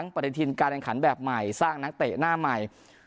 ปฏิทินการแข่งขันแบบใหม่สร้างนักเตะหน้าใหม่